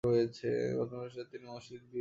বর্তমানে দেশটিতে তিনটি মসজিদ বিদ্যমান।